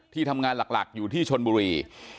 ทำงานหลักอยู่ที่ชนบุรี